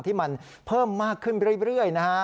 ที่มันเพิ่มมากขึ้นเรื่อยนะฮะ